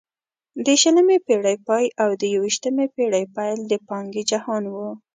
د شلمې پېړۍ پای او د یوویشتمې پېړۍ پیل د پانګې جهان وو.